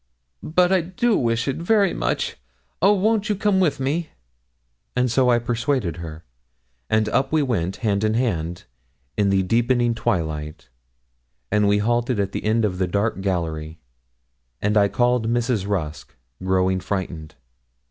'But I do wish it very much. Oh! won't you come with me?' And so I persuaded her, and up we went hand in hand, in the deepening twilight; and we halted at the end of the dark gallery, and I called Mrs. Rusk, growing frightened.